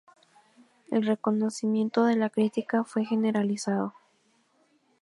El reconocimiento de la crítica fue generalizado.